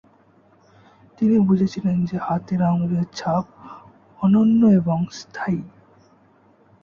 তিনি বুঝেছিলেন যে, হাতের আঙুলের ছাপ অনন্য এবং স্থায়ী।